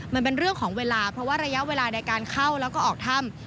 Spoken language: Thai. มันเป็นเรื่องของเวลาเพราะว่าระยะเวลาในการเข้าแล้วก็ออกถ้ำ